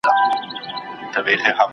د پوهني سيستم ته نوي اصلاحات معرفي کيږي.